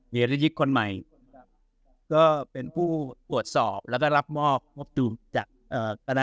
เฮเลนยิคคนใหม่ก็เป็นผู้ตรวจสอบและก็รับมอบก็จากเอ่อ